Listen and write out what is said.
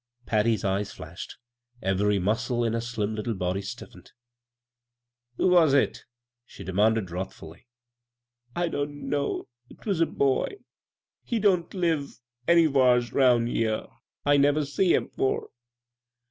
Patty's eyes flashed. Every musde in her slim little body stiffened. " Who was it ?" she demanded wrathfully. " I — I don't know. 'Twas a boy. He — he don't live anywhars round here. I never see him 'fore."